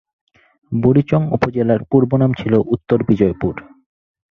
বুড়িচং উপজেলার পূর্বনাম ছিল উত্তর বিজয়পুর।